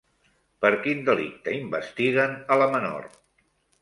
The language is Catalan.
Per quin delicte investiguen a la menor?